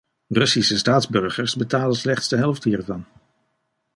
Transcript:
Russische staatsburgers betalen slechts de helft hiervan.